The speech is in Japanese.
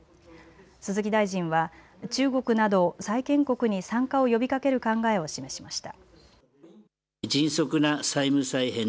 鈴木大臣は中国など債権国に参加を呼びかける考えを示しました。